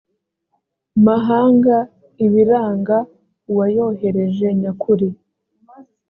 mahanga ibiranga uwayohereje nyakuri